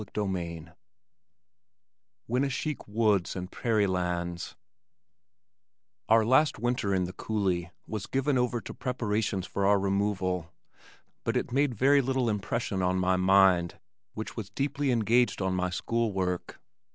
CHAPTER VII Winnesheik "Woods and Prairie Lands" Our last winter in the Coulee was given over to preparations for our removal but it made very little impression on my mind which was deeply engaged on my school work.